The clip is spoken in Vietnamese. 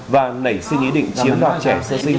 và nảy sinh ý định chiếm đoạt trẻ sơ sinh